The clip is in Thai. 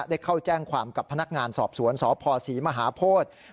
ได้เข้าแจ้งความกับพนักงานสอบสวนสพศรีมหาโพธิ